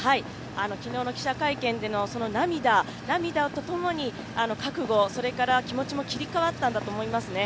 昨日の記者会見での涙その涙とともに覚悟、気持ちも切り替わったんだと思いますね。